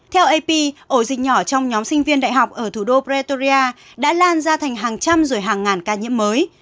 theo ap ổ dịch nhỏ trong nhóm sinh viên đại học ở thủ đô pratoria đã lan ra thành hàng trăm rồi hàng ngàn ca nhiễm mới